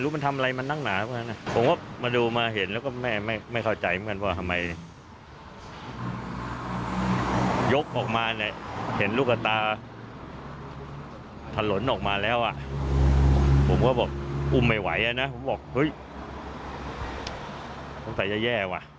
ผมบอกเฮ้ยต้องใส่แย่ว่ะ